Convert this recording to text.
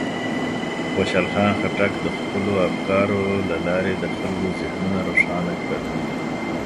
خوشحال خان خټک د خپلو افکارو له لارې د خلکو ذهنونه روښانه کړل.